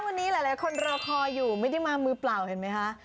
วันนี้หลายคนรอคอยอยู่ไม่ได้มามือเปล่าเห็นไหมคะ